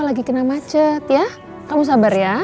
lagi kena macet ya kamu sabar ya